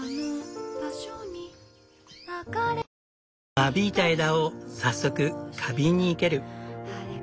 間引いた枝を早速花瓶に生ける。